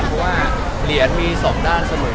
เพราะว่าเหรียญมี๒ด้านเสมอ